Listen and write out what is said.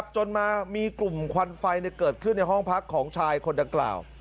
จนมามีกลุ่มควันไฟเกิดขึ้นในห้องพักของชายคนดังกล่าว